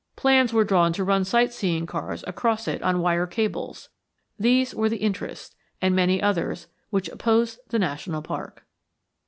Plans were drawn to run sightseeing cars across it on wire cables. These were the interests, and many others, which opposed the national park.